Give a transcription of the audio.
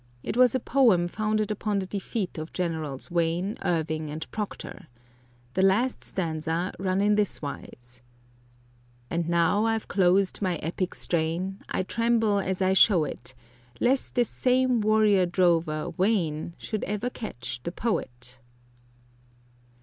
It was a poem founded upon the defeat of Generals Wayne, Irving, and Proctor. The last stanza ran in this wise: And now I've closed my epic strain, I tremble as I show it, Lest this same warrior drover, Wayne, Should ever catch the poet.